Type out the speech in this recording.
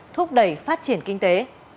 thúc đẩy phát triển kinh tế